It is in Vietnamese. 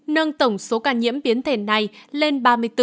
nâng tổng số ca nhiễm biến thể này lên ba